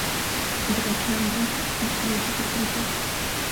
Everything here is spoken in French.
Ils réclament donc contre l'édit de Philippe le Bel.